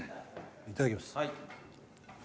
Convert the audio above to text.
いただきます。